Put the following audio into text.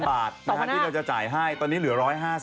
บาทที่เราจะจ่ายให้ตอนนี้เหลือ๑๕๐